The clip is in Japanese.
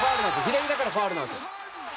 左だからファウルなんですよ。